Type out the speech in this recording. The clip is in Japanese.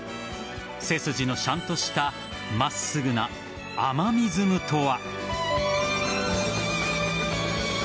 背筋のしゃんとした真っすぐなアマミズムとは。